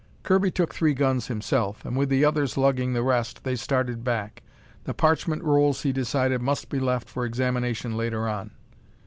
Kirby took three guns himself, and with the others lugging the rest, they started back. The parchment rolls, he decided, must be left for examination later on.